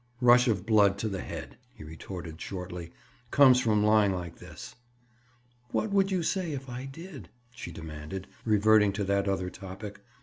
"Rush of blood to the head," he retorted shortly. "Comes from lying like this." "What would you say if I did?" she demanded, reverting to that other topic.